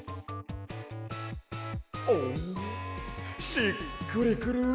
おしっくりくる。